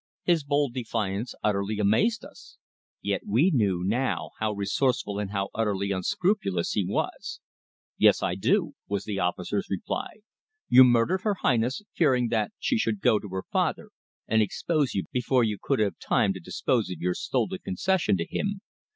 His bold defiance utterly amazed us. Yet we knew now how resourceful and how utterly unscrupulous he was. "Yes, I do!" was the officer's reply. "You murdered her Highness, fearing that she should go to her father and expose you before you could have time to dispose of your stolen concession to him.